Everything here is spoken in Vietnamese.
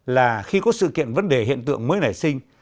là khi có sự kiện vấn đề hiện tượng mới nảy sinh